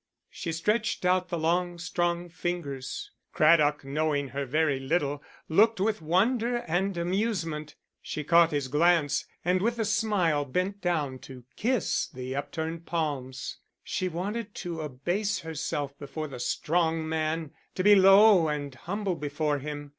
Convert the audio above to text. She stretched out the long, strong fingers. Craddock, knowing her very little, looked with wonder and amusement. She caught his glance, and with a smile bent down to kiss the upturned palms. She wanted to abase herself before the strong man, to be low and humble before him.